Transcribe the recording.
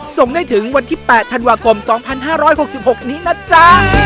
ส่งได้ถึงวันที่๘ธันวาคม๒๕๖๖นี้นะจ๊ะ